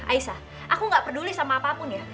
aisyah aku er ngga peduli sama apapun ya